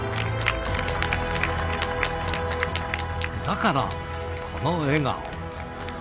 だから、この笑顔。